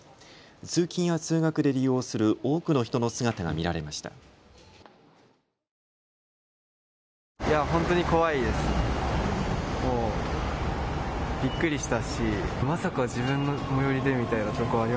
通勤や通学で利用する多くの人の姿が見られました。